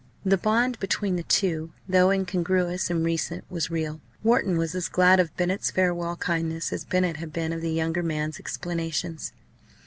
The bond between the two, though incongruous and recent, was real; Wharton was as glad of Bennett's farewell kindness as Bennett had been of the younger man's explanations.